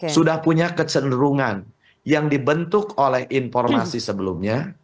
sudah punya kecenderungan yang dibentuk oleh informasi sebelumnya